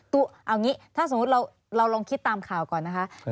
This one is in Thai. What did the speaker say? ถ้าสมมุติเราลองคิดตามข่าวก่อน